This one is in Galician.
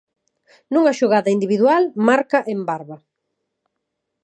Nunha xogada individual marca Embarba.